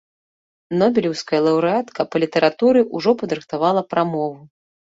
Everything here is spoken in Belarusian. Нобелеўская лаўрэатка па літаратуры ўжо падрыхтавала прамову.